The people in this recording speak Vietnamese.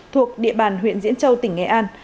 thuộc địa bàn huyện diễn châu tỉnh nghệ an